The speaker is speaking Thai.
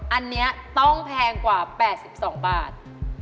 อันนี้ต้องแพงกว่า๘๒บาท